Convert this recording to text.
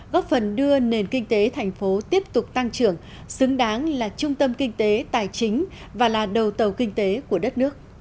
góp phần đưa nền kinh tế thành phố tiếp tục tăng trưởng xứng đáng là trung tâm kinh tế tài chính và là đầu tàu kinh tế của đất nước